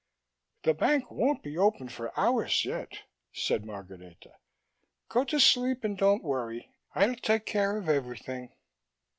"The bank won't be open for hours yet," said Margareta. "Go to sleep and don't worry. I'll take care of everything."